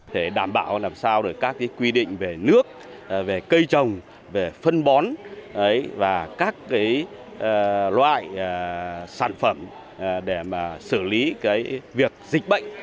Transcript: để đảm bảo làm sao các quy định về nước về cây trồng về phân bón và các loại sản phẩm để mà xử lý việc dịch bệnh